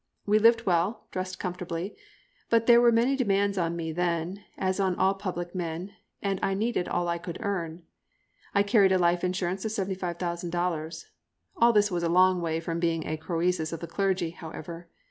We lived well, dressed comfortably; but there were many demands on me then, as on all public men, and I needed all I could earn. I carried a life insurance of $75,000. All this was a long way from being a Croesus of the clergy, however.